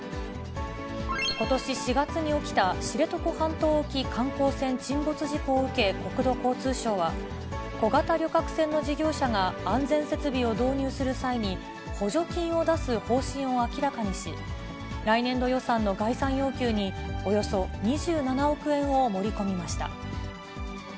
ことし４月に起きた知床半島沖観光船沈没事故を受け、国土交通省は、小型旅客船の事業者が安全設備を導入する際に、補助金を出す方針を明らかにし、来年度予算の概算要求に、およそ２７億円を盛り込みました。